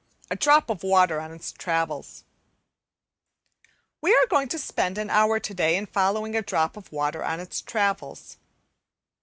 A DROP OF WATER ON ITS TRAVELS We are going to spend an hour to day in following a drop of water on its travels.